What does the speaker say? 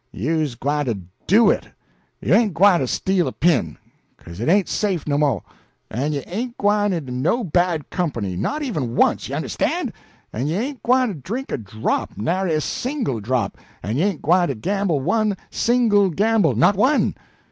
You's gwyne to do it. You ain't gwyne to steal a pin 'ca'se it ain't safe no mo'; en you ain't gwyne into no bad comp'ny not even once, you understand; en you ain't gwyne to drink a drop nary single drop; en you ain't gwyne to gamble one single gamble not one!